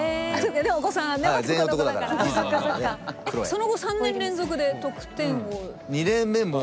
その後３年連続で得点王。